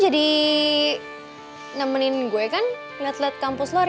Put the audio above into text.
hai jadi bandwidth gue kan enggak lihat kampus luar